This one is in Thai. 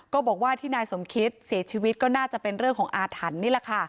ก็บอกว่าที่นายสมคิตเสียชีวิตก็น่าจะเป็นเรื่องของอาถรรพ์นี่แหละค่ะ